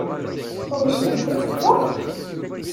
Twejdemt ad teddumt?